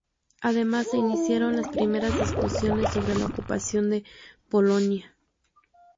Además se iniciaron las primeras discusiones sobre la ocupación de Polonia.